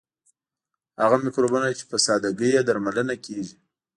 هغه مکروبونه چې په ساده ګۍ درملنه کیږي.